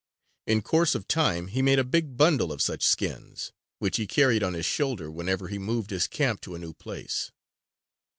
In course of time, he made a big bundle of such skins, which he carried on his shoulder whenever he moved his camp to a new place.